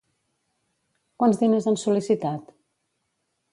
Quants diners han sol·licitat?